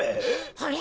あれ？